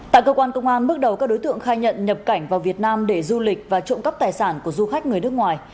tại cơ quan công an bước đầu các đối tượng khai nhận nhập cảnh vào việt nam để du lịch và trộm cắp tài sản của du khách người nước ngoài